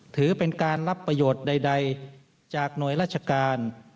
ถือเป็นการรับประโยชน์ใดจากหน่วยราชการ